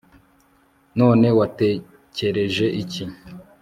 none watekereje iki